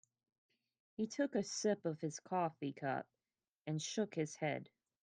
He took a sip from his coffee cup and shook his head.